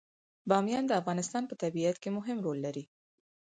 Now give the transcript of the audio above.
بامیان د افغانستان په طبیعت کې مهم رول لري.